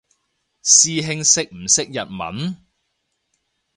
師兄識唔識日文？